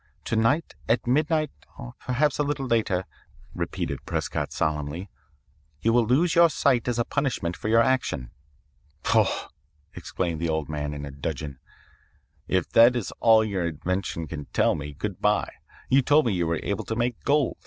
To night at midnight or perhaps a little later,' repeated Prescott solemnly, 'you will lose your sight as a punishment for your action.' "'Pouf!' exclaimed the old man in a dudgeon, 'if that is all your invention can tell me, good bye. You told me you were able to make gold.